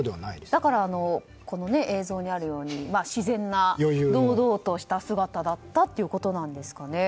だから、この映像にあるように自然な、堂々とした姿だったんですかね。